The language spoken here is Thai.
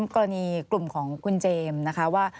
กรณีกลุ่มของคุณเจมส์นะคะว่า